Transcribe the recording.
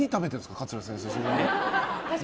桂先生。